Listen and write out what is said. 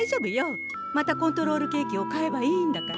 またコントロールケーキを買えばいいんだから。